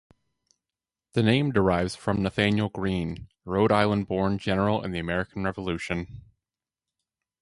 The name derives from Nathanael Greene, a Rhode Island-born general in the American Revolution.